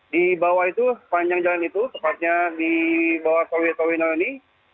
di bawah itu panjang jalan itu tepatnya di bawah tol wiyoto wiono ini